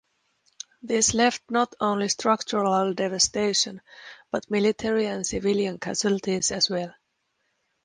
This left not only structural devastation, but military and civilian casualties as well.